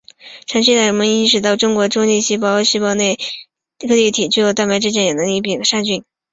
长期以来人们已经认识到人类中性粒细胞细胞内颗粒体具有蛋白质降解能力并可杀菌。